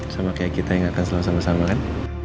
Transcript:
sama kayak kita yang akan selalu sama sama lain